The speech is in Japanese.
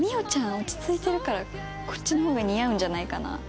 落ち着いてるからこっちのほうが似合うんじゃないかな？